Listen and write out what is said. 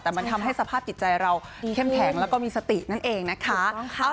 แต่มันทำให้สภาพจิตใจเราเข้มแข็งแล้วก็มีสตินั่นเองนะคะ